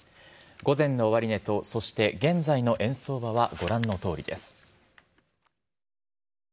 午前の終値とそして現在の円相場はご覧のとおりです。